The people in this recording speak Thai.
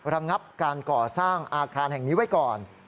ระงับการก่อสร้างอาคารแห่งนี้ไว้ก่อน